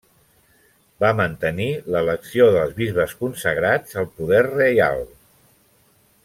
Va mantenir l'elecció dels bisbes consagrats al poder reial.